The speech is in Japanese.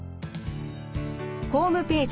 ホームページ